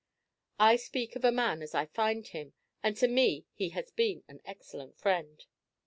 I speak of a man as I find him, and to me he has been an excellent friend.